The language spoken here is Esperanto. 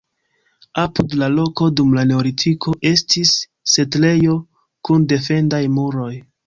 Apud la loko dum la neolitiko estis setlejo kun defendaj muroj.